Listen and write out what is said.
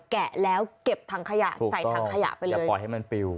แกะแล้วเก็บถังขยะใส่ถังขยะไปเลยอย่าปล่อยให้มันปิว